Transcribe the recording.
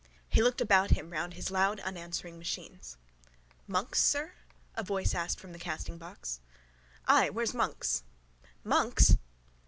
He looked about him round his loud unanswering machines. —Monks, sir? a voice asked from the castingbox. —Ay. Where's Monks? —Monks!